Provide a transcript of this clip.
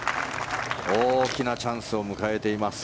大きなチャンスを迎えています。